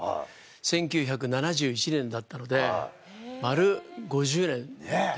１９７１年だったので丸５０年ですよね。